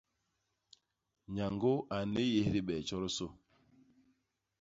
Nyañgô a nnéyés dibee tjodisô.